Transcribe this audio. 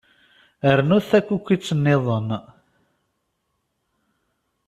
Rnut takukit-nniḍen.